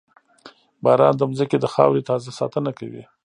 • باران د زمکې د خاورې تازه ساتنه کوي.